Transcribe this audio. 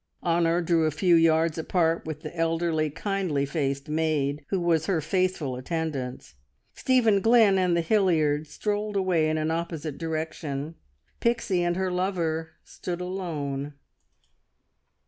Honor drew a few yards apart with the elderly, kindly faced maid who was her faithful attendant; Stephen Glynn and the Hilliards strolled away in an opposite direction. Pixie and her lover stood alone.